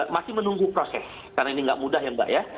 masih menunggu proses karena ini nggak mudah ya mbak ya